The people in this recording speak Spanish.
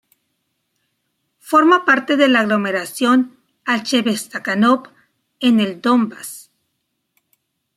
Forma parte de la aglomeración Alchevsk-Stakhanov, en el Donbass.